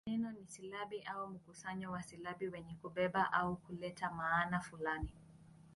Neno ni silabi au mkusanyo wa silabi wenye kubeba au kuleta maana fulani.